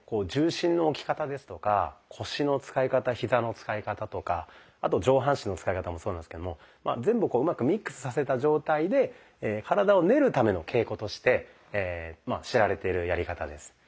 重心の置き方ですとか腰の使い方ヒザの使い方とかあと上半身の使い方もそうなんですけども全部をうまくミックスさせた状態でとして知られているやり方です。